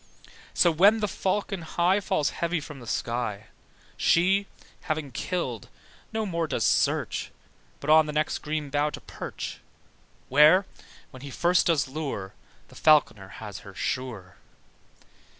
So when the falcon high Falls heavy from the sky, She, having killed, no more does search But on the next green bough to perch, Where, when he first does lure, The falc'ner has her sure.